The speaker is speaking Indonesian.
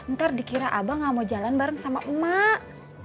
ntar dikira abang nggak mau jalan bareng sama emak